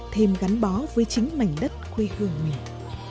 thêm gắn bó với chính mảnh đất quê hương mình